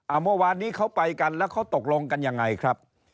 เมื่อวานนี้เขาไปกันแล้วเขาตกลงกันยังไงครับ